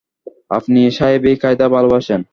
আপনি সাহেবি কায়দা ভালোবাসেন?